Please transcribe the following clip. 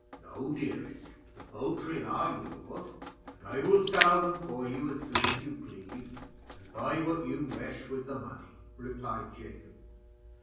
"No, dearest, the poultry are yours, and I will sell them for you as soon as you please, and buy what you wish with the money," replied Jacob.